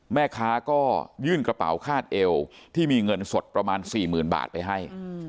แม่ค้าก็ยื่นกระเป๋าคาดเอวที่มีเงินสดประมาณ๔๐๐๐บาทไปให้